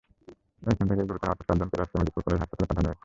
এখান থেকে গুরুতর আহত চারজনকে রাজশাহী মেডিকেল কলেজ হাসপাতালে পাঠানো হয়েছে।